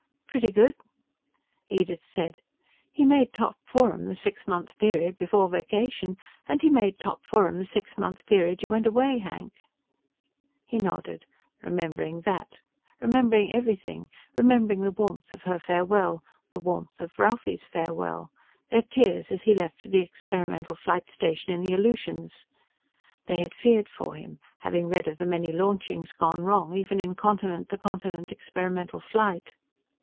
"Pretty good." Edith said, "He made top forum the six month period before vacation, and he made top forum the six month period you went away, Hank." He nodded, remembering that, remembering everything, remembering the warmth of her farewell, the warmth of Ralphie's farewell, their tears as he left for the experimental flight station in the Aleutians. They had feared for him, having read of the many launchings gone wrong even in continent to continent experimental flight.